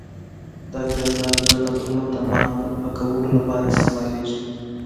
دا تیزاب د نلونو د منګ د پاکولو لپاره استعمالیږي.